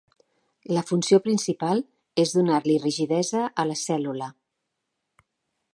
La funció principal és donar-li rigidesa a la cèl·lula.